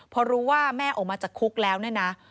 พอรู้ว่าแม่ออกมาจากคุกแล้วเนี่ยนะ